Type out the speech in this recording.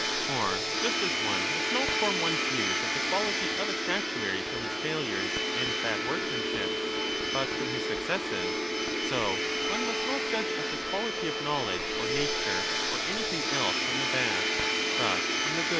For just as one must not form 35 one's views of the quality of a statuary from his failures and bad workmanship, but from his successes, so one must not judge of the quality of knowledge or nature or of any thing else from the bad, but from the good.